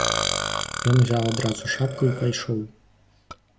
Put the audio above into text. Ён узяў адразу шапку і пайшоў.